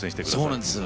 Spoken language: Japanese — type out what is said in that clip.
そうなんです。